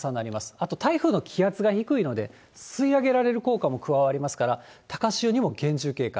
あと台風の気圧が低いので、吸い上げられる効果も加わりますから、高潮にも厳重警戒。